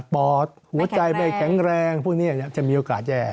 ปอดหัวใจไม่แข็งแรงพวกนี้จะมีโอกาสแย่